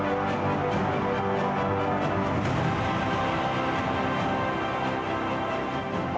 di jalan jalan menuju indonesia